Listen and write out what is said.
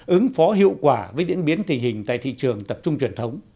ứng phó hiệu quả với diễn biến tình hình tại thị trường tập trung truyền thống